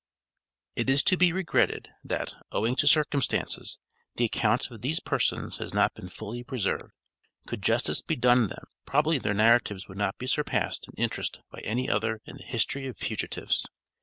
It is to be regretted that, owing to circumstances, the account of these persons has not been fully preserved. Could justice be done them, probably their narratives would not be surpassed in interest by any other in the history of fugitives.